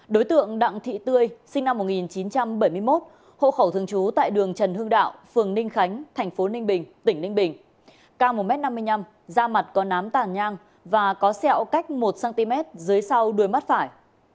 đối tượng đặng thị tươi sinh năm một nghìn chín trăm bảy mươi một hộ khẩu thường trú tại đường trần hưng đạo phường ninh khánh thành phố ninh bình tỉnh ninh bình cao một m năm mươi năm da mặt có nám tàn nhang và có sẹo cách một cm dưới sau đuôi mắt phải